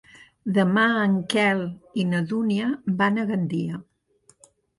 Demà en Quel i na Dúnia van a Gandia.